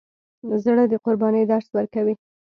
زړه د قربانۍ درس ورکوي.